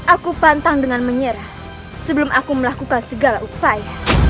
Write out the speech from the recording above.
aku pantang dengan menyerah sebelum aku melakukan segala upaya